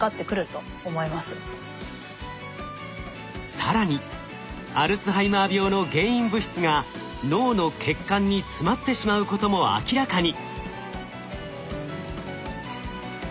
更にアルツハイマー病の原因物質が脳の血管に詰まってしまうことも明らかに。